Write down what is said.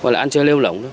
gọi là án chơi lêu lỏng